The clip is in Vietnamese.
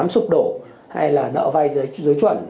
sụp đổ hay là nợ vai dưới chuẩn